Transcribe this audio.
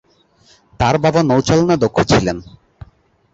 তার বাবা নৌচালনায় দক্ষ ছিলেন।